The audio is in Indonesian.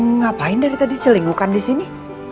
ngapain dari tadi celingukan di sini